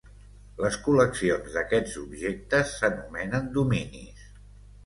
Les col·leccions d'aquests objectes s'anomenen dominis.